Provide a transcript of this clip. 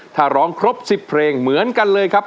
ถ้าร้องครบ๑๐เพลงเหมือนกันเลยครับ